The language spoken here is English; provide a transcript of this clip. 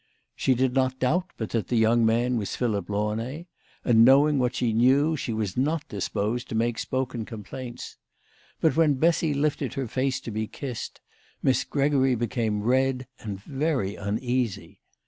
She did not doubt but that the young man was Philip Launay, and knowing what she knew she was not disposed to make spoken complaints. But when Bessy lifted her face to be kissed, Miss Gregory became red and very uneasy.